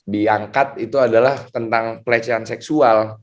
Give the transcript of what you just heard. diangkat itu adalah tentang pelecehan seksual